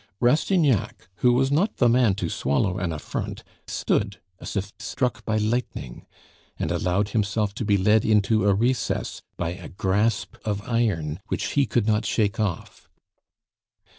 Rastignac, who was not the man to swallow an affront, stood as if struck by lightning, and allowed himself to be led into a recess by a grasp of iron which he could not shake off.